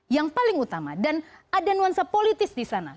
yang paling utama dan ada nuansa politis di sana